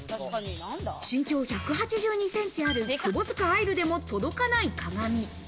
身長１８２ｃｍある窪塚愛流でも届かない鏡。